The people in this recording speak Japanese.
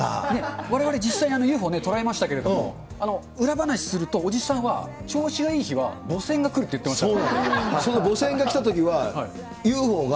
われわれ、実際ＵＦＯ捉えましたけれども、裏話すると、おじさんは調子がいい日は母船が来るって言ってましたね。